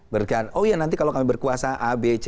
berkata oh iya nanti kalau kami berkuasa a b c